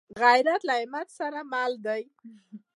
غیرت له همت سره مل دی